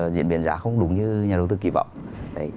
diễn biến giá không đúng như nhà đầu tư kỳ vọng